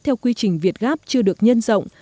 theo quy trình việt gắp chưa được nhân rộng